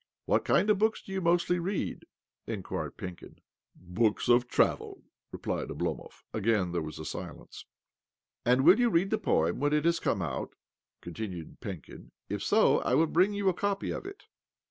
"What kind of books do you mostly read?" inquired Penkin. " Books of travel," replied Oblomov. Again there was a silence. " And' will you read the poem when it has come out?" continued Penkin. "If so, I will bring you a copy of it."